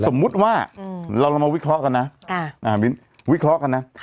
สมมุติว่าเราเรามาวิเคราะห์กันนะอ่าอ่าวิเคราะห์กันนะค่ะ